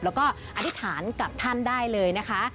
แล้วก็อธิษฐานกับท่านได้เลยนะคะ